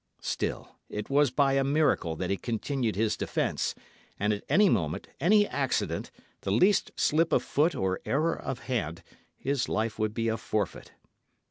Still, it was by a miracle that he continued his defence, and at any moment, any accident, the least slip of foot or error of hand, his life would be a forfeit.